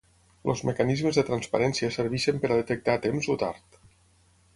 Els mecanismes de transparència serveixen per a detectar a temps o tard.